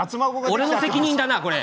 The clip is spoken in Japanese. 俺の責任だなこれ！